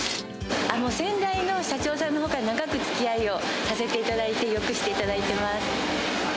先代の社長さんのほうから長くつきあいをさせていただいて、よくしていただいてます。